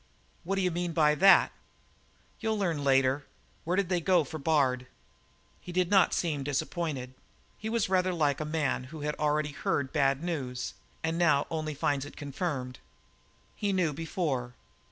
"What d'you mean by that?" "You'll learn later. Where did they go for Bard?" He did not seem disappointed. He was rather like a man who had already heard bad news and now only finds it confirmed. He knew before.